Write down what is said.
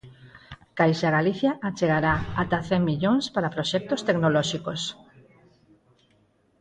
Caixa Galicia achegará ata cen millóns para proxectos tecnolóxicos